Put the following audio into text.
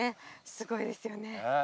すごいですよね。